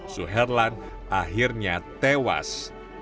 suherlan akhirnya tewas